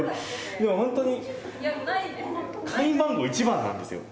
でも本当に会員番号１番なんですよ